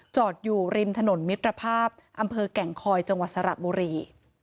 จอดอยู่ริมถนนมิตรภาพอำเภอแก่งคอยจังหวัดสระบุรี